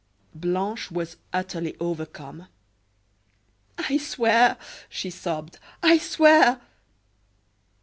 Blanche was utterly overcome. "I swear!" she sobbed, "I swear!"